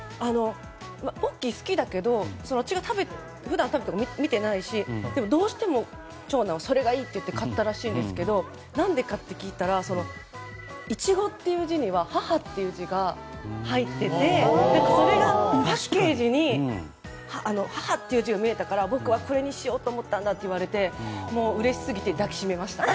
ポッキーは好きだけど普段食べているところを見てないしどうしても長男はそれがいいっていって買ったらしいんですけど何でかって聞いたら「苺」っていう字には母という字が入っていてそれがパッケージに「母」っていう字が見えたから僕はこれにしようと思ったんだって言われてうれしすぎて抱きしめました。